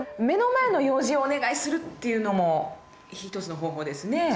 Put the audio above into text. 目の前の用事をお願いするっていうのも一つの方法ですね。